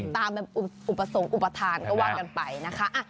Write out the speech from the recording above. ตามแบบอุปสรรคอุปทานก็ว่ากันไปนะคะ